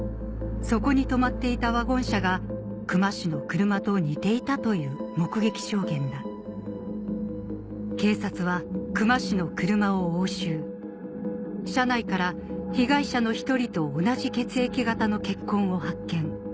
そこに止まっていたワゴン車が久間の車と似ていたという目撃証言だ警察は久間の車を押収車内から被害者の１人と同じ血液型の血痕を発見